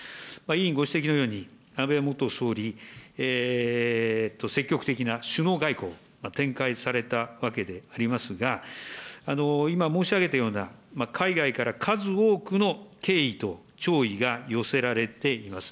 委員ご指摘のように、安倍元総理、積極的な首脳外交を展開されたわけでありますが、今申し上げたような、海外から数多くの敬意と弔意が寄せられています。